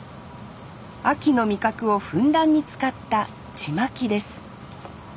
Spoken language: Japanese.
秋の味覚をふんだんに使ったちまきです。